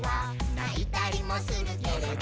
「ないたりもするけれど」